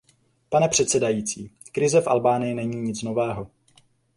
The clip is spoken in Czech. Pane předsedající, krize v Albánii není nic nového.